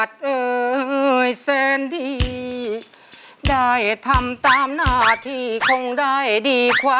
เพลงนี้อยู่ในอาราบัมชุดแรกของคุณแจ็คเลยนะครับ